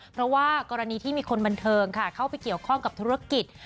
เพราะว่ากรณีที่มีคนบันเทิงค่ะเข้าไปเกี่ยวข้องกับธุรกิจ